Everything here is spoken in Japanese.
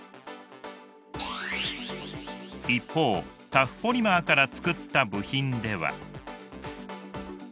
一方タフポリマーから作った部品では。